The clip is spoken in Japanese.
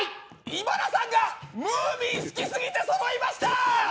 今田さんがムーミン好きすぎて揃いましたー！